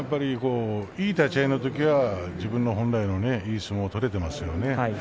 いい立ち合いのときは自分本来のいい相撲が取れていますよね。